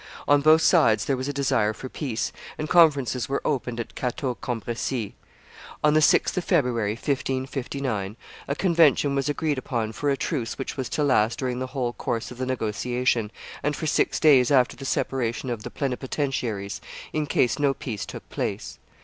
On both sides there was a desire for peace; and conferences were opened at Cateau Cambresis. On the 6th of February, 1559, a convention was agreed upon for a truce which was to last during the whole course of the negotiation, and for six days after the separation of the plenipotentiaries, in case no peace took place.